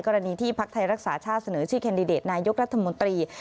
ที่พักไทยรักษาชาติเสนอชื่อแคนดิเดตนายกรัฐมนตรี